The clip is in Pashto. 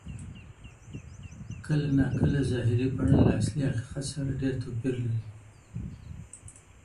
کله ناکله ظاهري بڼه له اصلي حقیقت سره ډېر توپیر لري.